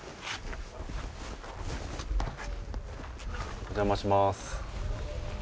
お邪魔します。